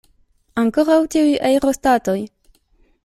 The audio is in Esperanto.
Ankoraŭ tiuj aerostatoj!